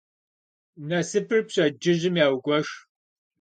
Nasıpır pşedcıjım yagueşş.